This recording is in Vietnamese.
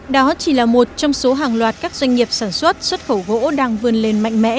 đó chỉ là một trong số hàng loạt các doanh nghiệp sản xuất xuất khẩu gỗ đang vươn lên mạnh mẽ